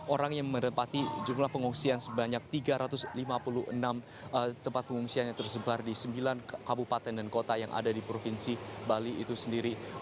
orang yang menempati jumlah pengungsian sebanyak tiga ratus lima puluh enam tempat pengungsian yang tersebar di sembilan kabupaten dan kota yang ada di provinsi bali itu sendiri